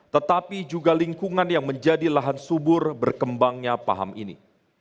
tetapi juga lingkungan yang menjadi lahan subur berkembangnya paham ini